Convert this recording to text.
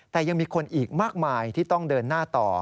แต่ยังมีคนอีกมากมายที่ต้องเดินหน้าต่อ